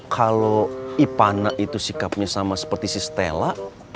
kalau ipana itu sikapnya sama seperti si stella